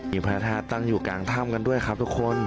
มีพระธาตุตั้งอยู่กลางถ้ำกันด้วยครับทุกคน